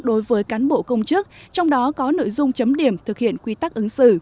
đối với cán bộ công chức trong đó có nội dung chấm điểm thực hiện quy tắc ứng xử